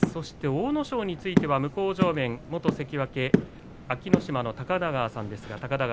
阿武咲については向正面元関脇安芸乃島の高田川さんです。